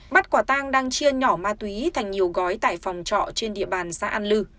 bắt quả tang đang chia nhỏ ma túy thành nhiều gói tại phòng trọ trên địa bàn xã an lư